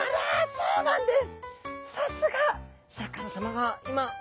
そうなんです。